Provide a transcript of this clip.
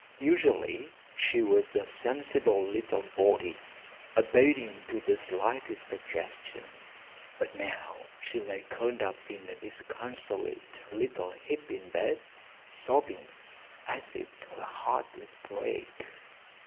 Usually she was a sensible little body, obedient to the slightest suggestion, but now she lay curled up in a disconsolate little heap in bed, sobbing as if her heart would break.